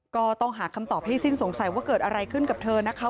ก็ต้องหาคำตอบให้สิ้นสงสัยว่าเกิดอะไรขึ้นกับเธอนะคะ